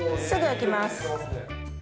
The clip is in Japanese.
すぐ開きます。